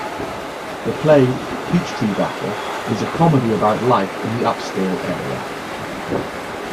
The play "Peachtree Battle" is a comedy about life in the upscale area.